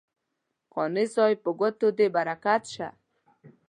قانع صاحب په ګوتو دې برکت شه.